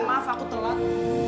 maaf aku telat